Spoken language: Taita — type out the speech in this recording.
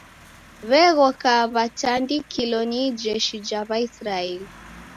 W'eghora w'atandikilo ni ijeshi ja w'aisraeli